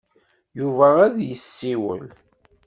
Yuba ad d-yessiwel.